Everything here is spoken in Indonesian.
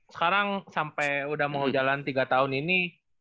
sekarang sampai udah mau jalan tiga tahun ini